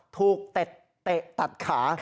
ถูกเตะเตะตัดขา